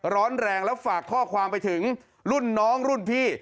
ร้อนแรงแล้วฝากข้อความไปถึงรุ่นน้องรุ่นพี่